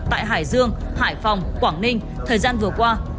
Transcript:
tại hải dương hải phòng quảng ninh thời gian vừa qua